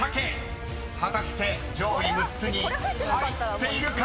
［果たして上位６つに入っているか⁉］